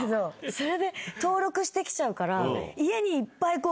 それで登録してきちゃうから。